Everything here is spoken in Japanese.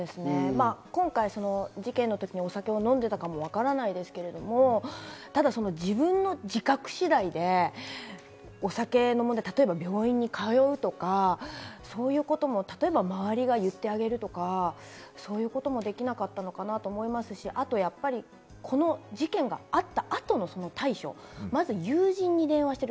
今回、事件のときにお酒を飲んでいたかも分からないですけれども、ただ自分の自覚次第で、お酒の問題、例えば病院に通うとか、そういうことも周りが言ってあげるとか、そういうこともできなかったのかなと思いますし、あとこの事件があった後の対処、友人に電話している。